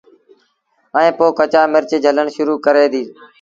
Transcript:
ائيٚݩ پو ڪچآ مرچ جھلڻ شرو ڪري دو